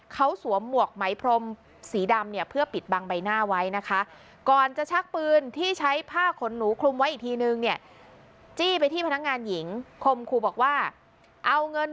เขาสวมหมวกไหมพรมสีดำเนี่ยเพื่อปิดบังใบหน้าไว้นะคะ